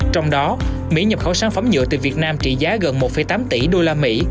trong đó mỹ nhập khẩu sản phẩm nhựa từ việt nam trị giá gần một tám tỷ usd